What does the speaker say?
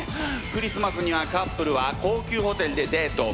クリスマスにはカップルは高級ホテルでデート。